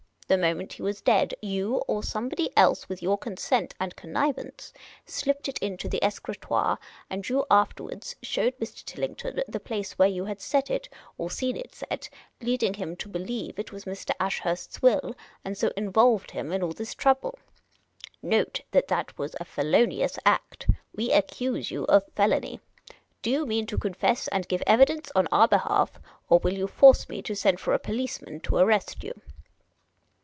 The moment he was dead, you, or somebody else with your consent and con nivance, slipped it into the escritoire ; and you afterwards showed Mr. Tillington the place where you had set it or seen it set, leading him to believe it was Mr. Ashurst's will, and so involved him in all this trouble. Note that that was a felonious act. We accuse you of felony. Do you mean to confess, and give evidence on our behalf, or will you force me to send for a policeman to arrest you